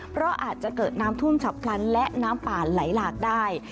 เพราะอาจจะเกิดน้ำท่วมฉับพลันและน้ำป่าไหลหลากได้